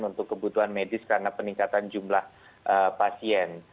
untuk kebutuhan medis karena peningkatan jumlah pasien